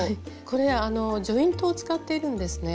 これジョイントを使っているんですね。